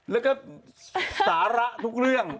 แล้วก็สาระทุกเรื่อง